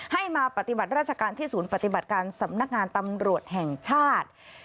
ให้มาปฏิบัติราชการที่ศูนย์ปฏิบัติการสำนักงานตำรวจแห่งชาติ